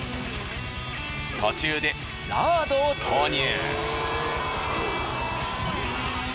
途中でラードを投入。